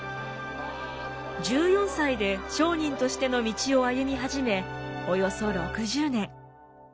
１４歳で商人としての道を歩み始めおよそ６０年。